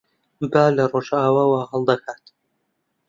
با لە ڕۆژاواوە هەڵدەکات.